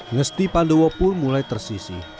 ngesti pandowo pun mulai tersisih